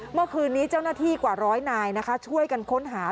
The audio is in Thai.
เมื่อคืนนี้เจ้าหน้าที่กว่าร้อยนายนะคะช่วยกันค้นหา